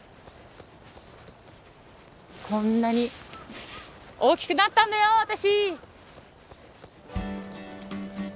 こんなに大きくなったんだよ私！